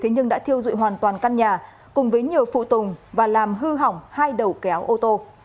nhưng đã thiêu dụi hoàn toàn căn nhà cùng với nhiều phụ tùng và làm hư hỏng hai đầu kéo ô tô